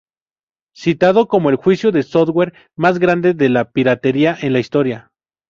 Citado como el juicio de software más grande de la piratería en la historia.